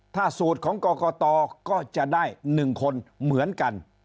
ถ้าสูตรของกรกตก็จะได้๑คนเหมือนกัน